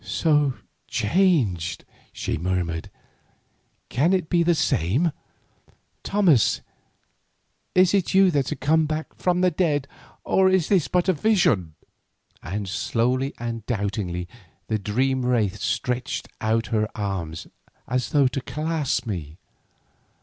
"So changed," she murmured; "can it be the same? Thomas, is it you come back to me from the dead, or is this but a vision?" and slowly and doubtingly the dream wraith stretched out her arms as though to clasp me.